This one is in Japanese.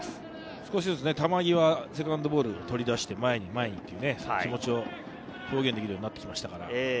少しずつ球際、セカンドボールを取り出して、前に前にという気持ちを表現できるようになってきました。